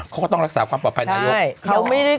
เขาก็ต้องรักษาความปลอดภัยนายก